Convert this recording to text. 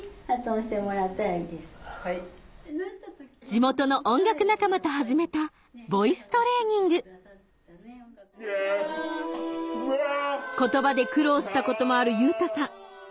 地元の音楽仲間と始めたボイストレーニング言葉で苦労したこともある優太さん